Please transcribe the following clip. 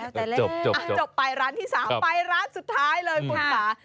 แล้วแต่เล่นจบไปร้านที่สามไปร้านสุดท้ายเลยคุณคะ